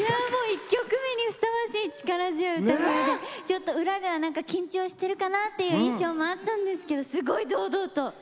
１曲目にふさわしい歌声でちょっと、裏では緊張してるかなって印象はあったんですけどすごい堂々と。